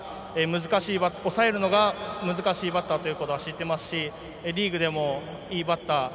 難しい、抑えるのが難しいバッターということは知っていますしリーグでもいいバッター